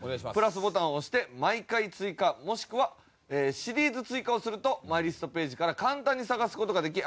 ＋ボタンを押して「毎回追加」もしくは「シリーズ追加」をするとマイリストページから簡単に探す事ができ